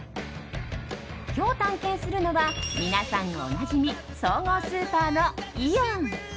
今日探検するのは皆さんおなじみ総合スーパーのイオン。